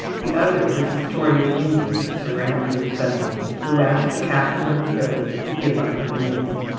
The other was the story of Indians surrounding a settlement who asked the captain of a village to give up a man.